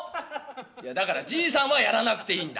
「いやだからじいさんはやらなくていいんだ」。